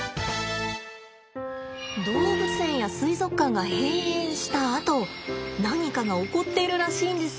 動物園や水族館が閉園したあと何かが起こっているらしいんです。